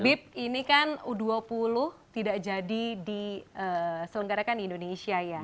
bib ini kan u dua puluh tidak jadi di selenggarakan indonesia ya